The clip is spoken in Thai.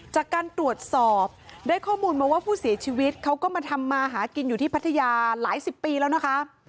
จากการตรวจสอบได้ข้อมูลมาว่าผู้เสียชีวิตเขาก็มาทำมาหากินอยู่ที่พัทยาหลายสิบปีแล้วนะคะ